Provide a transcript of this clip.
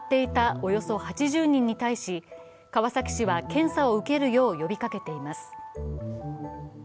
およそ８０人に対し、川崎市は検査を受けるよう呼びかけています。